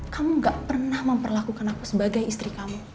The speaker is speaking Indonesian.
kamu gak pernah memperlakukan aku sebagai istri kamu